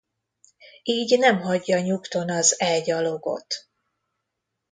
Így nem hagyja nyugton az e gyalogot.